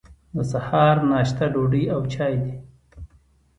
د سهار ناشته ډوډۍ او چای دی.